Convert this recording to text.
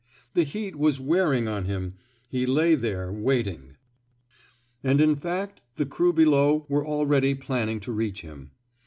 The heat was wearing on him. He lay there, waiting. And in fact the crew below were already planning to reach him.